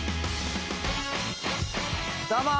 どうも。